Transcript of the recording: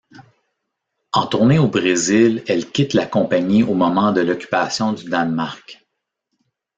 En tournée au Brésil, elle quitte la Compagnie au moment de l'occupation du Danemark.